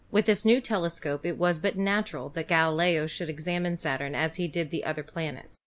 With his new telescope it was but natural that Galileo should examine Saturn as he did the other planets.